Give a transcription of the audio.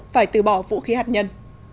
phải từ bỏ vũ khí hạt nhân